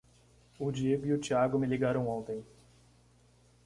O Diego e o Tiago me ligaram ontem.